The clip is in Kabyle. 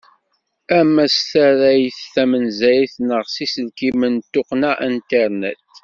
Ama s tarrayt tamensayt neɣ s yiselkimen d tuqqna internet.